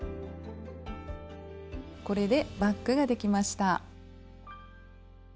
これでバッグができました。